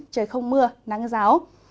trời không mưa nắng ráo